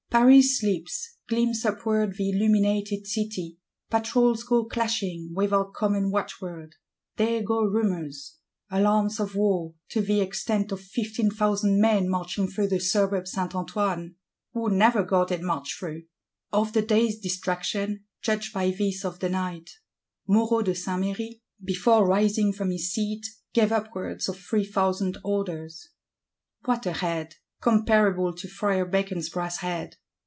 Paris sleeps; gleams upward the illuminated City: patrols go clashing, without common watchword; there go rumours; alarms of war, to the extent of "fifteen thousand men marching through the Suburb Saint Antoine,"—who never got it marched through. Of the day's distraction judge by this of the night: Moreau de Saint Méry, "before rising from his seat, gave upwards of three thousand orders." What a head; comparable to Friar Bacon's Brass Head!